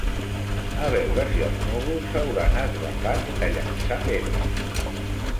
A veure si els núvols s'hauran esbafat de llançar pedra.